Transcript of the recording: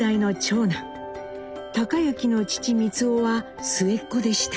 隆之の父光男は末っ子でした。